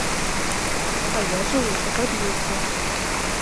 А я жыву ў пад'ездзе.